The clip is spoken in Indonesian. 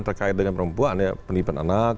terkait dengan perempuan ya penipuan anak